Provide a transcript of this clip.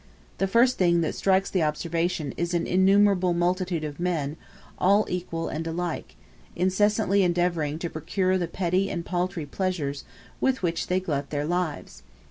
The first thing that strikes the observation is an innumerable multitude of men all equal and alike, incessantly endeavoring to procure the petty and paltry pleasures with which they glut their lives.